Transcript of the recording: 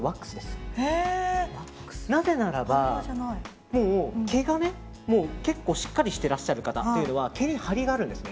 なぜならば、もう毛が結構しっかりしてらっしゃる方は毛に張りがあるんです。